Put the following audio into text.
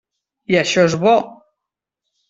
I això és bo.